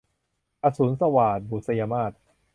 อสูรสวาท - บุษยมาส